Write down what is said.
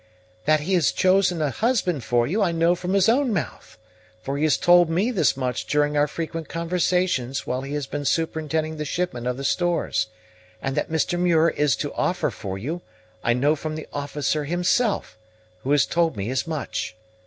"That he has chosen a husband for you, I know from his own mouth; for he has told me this much during our frequent conversations while he has been superintending the shipment of the stores; and that Mr. Muir is to offer for you, I know from the officer himself, who has told me as much.